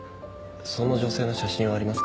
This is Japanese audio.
その女性の写真はありますか？